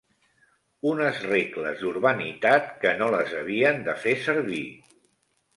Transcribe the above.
Unes regles d'urbanitat que no les havien de fer servir